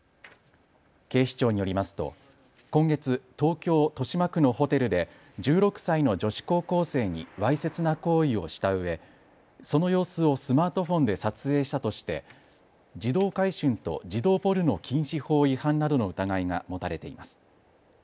警視庁によりますと今月、東京豊島区のホテルで１６歳の女子高校生にわいせつな行為をしたうえその様子をスマートフォンで撮影したとして児童買春と児童ポルノ禁止法違反などの疑いが持たれています。